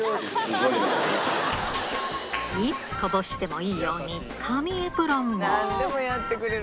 いつこぼしてもいいように、紙エプロンを。